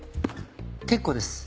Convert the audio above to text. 結構です。